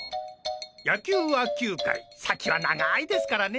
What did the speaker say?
野球は９回先は長いですからね。